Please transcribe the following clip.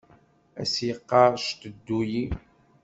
A s-yeqqar "cteddu-yi".